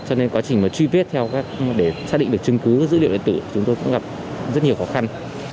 cho nên quá trình truy viết để xác định được chứng cứ dữ liệu đại tử chúng tôi cũng gặp rất nhiều khó khăn